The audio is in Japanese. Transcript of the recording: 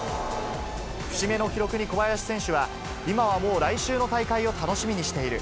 節目の記録に小林選手は、今はもう来週の大会を楽しみにしている。